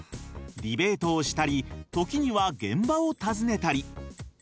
ディベートをしたり時には現場を訪ねたり。